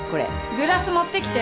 グラス持ってきて。